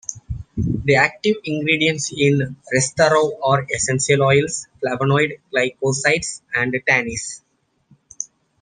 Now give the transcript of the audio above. The active ingredients in restharrow are essential oils, flavonoid-glycosides, and tannins.